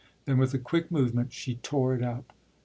Then with a quick movement she tore it up.